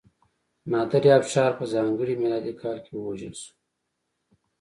نادرافشار په ځانګړي میلادي کال کې ووژل شو.